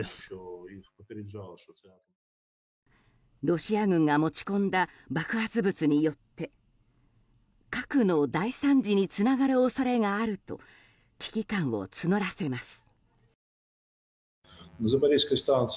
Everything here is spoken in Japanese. ロシア軍が持ち込んだ爆発物によって核の大惨事につながる恐れがあると危機感を募らせます。